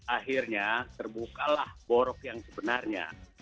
akhirnya terbukalah borok yang sebenarnya